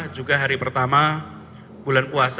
juga hari pertama bulan puasa